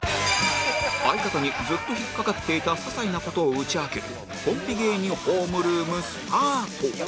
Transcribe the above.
相方にずっと引っかかっていた些細な事を打ち明けるコンビ芸人ホームルームスタート！